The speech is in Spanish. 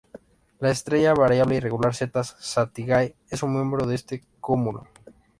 La estrella variable irregular Z Sagittae es un miembro de este cúmulo.